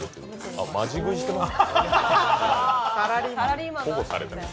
あ、マジ食いしてます。